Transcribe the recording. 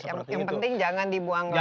yang penting jangan dibuang ke laut